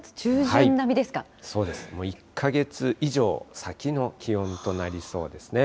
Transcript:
そうです、もう１か月以上先の気温となりそうですね。